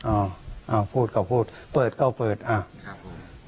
เอาอ้าวพูดก็พูดเปิดก็เปิดอ้าวครับผม